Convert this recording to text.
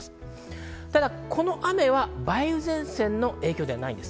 ただこの雨は梅雨前線の影響ではないんです。